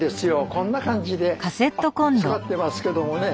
こんな感じで使ってますけどもね。